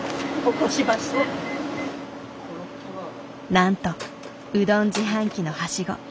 なんとうどん自販機のはしご。